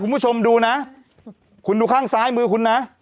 คุณผู้ชมดูนะคุณดูข้างซ้ายมือคุณนะ